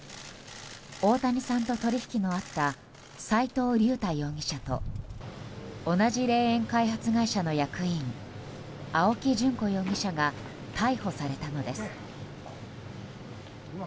大谷さんと取引のあった齋藤竜太容疑者と同じ霊園開発会社の役員青木淳子容疑者が逮捕されたのです。